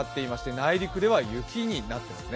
内陸では雪になっています。